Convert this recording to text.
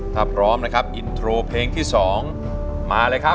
ถ้าพร้อมนะครับอินโทรเพลงที่๒มาเลยครับ